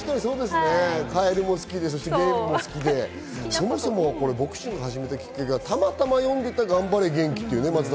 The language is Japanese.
カエルも好きですし、ゲームも好きで、そもそもボクシングを始めたきっかけがたまたま読んでいた『がんばれ元気』という。